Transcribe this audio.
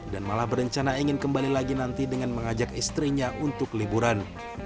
dan malah berencana ingin kembali lagi nanti dengan mengajak istrinya untuk liburan